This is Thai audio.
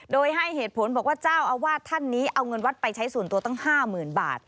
โดยให้เหตุผลบอกว่าเจ้าอาวาสท่านนี้เอาเงินวัดไปใช้ส่วนตัวตั้ง๕๐๐๐บาท